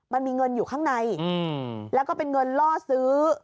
มันมีเงินอยู่ข้างในแล้วก็เป็นเงินล่อซื้อ